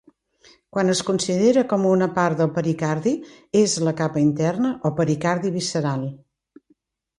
Quan es considera com una part del pericardi, és la capa interna o pericardi visceral.